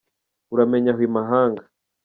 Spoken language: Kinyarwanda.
Uramenye aho imahanga